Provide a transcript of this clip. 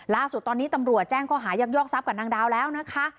ล่าสุดตอนนี้ตำรวจแจ้งข้อหายักยอกทรัพย์กับนางดาวแล้วนะคะ